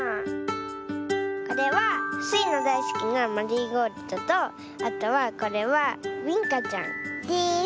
これはスイのだいすきなマリーゴールドとあとはこれはビンカちゃんです。